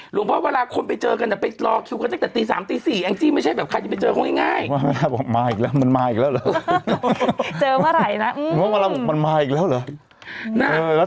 หลวงพ่อเวลาคนไปเจอกันแต่ไปรอคิวกัน